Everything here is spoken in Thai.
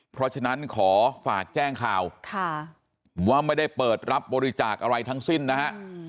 เพราะฉะนั้นขอฝากแจ้งข่าวว่าไม่ได้เปิดรับบริจาคอะไรทั้งสิ้นนะฮะ